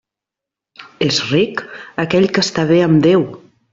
És ric aquell que està bé amb Déu.